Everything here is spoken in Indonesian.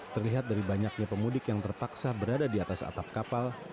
terlihat dari banyaknya pemudik yang terpaksa berada di atas atap kapal